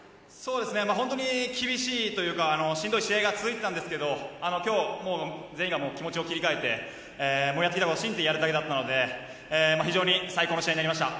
本当に厳しいというかしんどい試合が続いていたんですが今日、全員が気持ちを切り替えてやってきたことを信じてやるだけだったので最高の試合になりました。